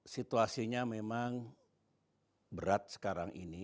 situasinya memang berat sekarang ini